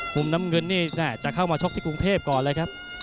มุมน้ำเงินนี่จะเข้ามาชกที่กรุงเทพก่อนเลยครับ